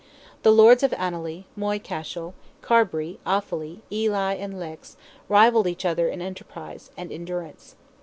The lords of Annally, Moy Cashel, Carbry, Offally, Ely, and Leix, rivalled each other in enterprise and endurance.